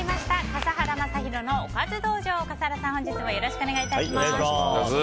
笠原さん、本日もよろしくお願いいたします。